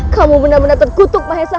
kamu benar benar terkutuk mahesa